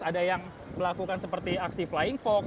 ada yang melakukan seperti aksi flying fox